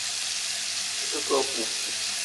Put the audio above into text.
Me te so a poup.